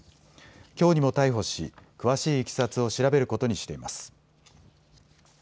きょうにも逮捕し、詳しいいきさつを調べることにしています。